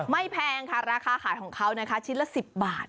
ไม่แพงค่ะราคาขายของเขาชิ้นละ๑๐บาท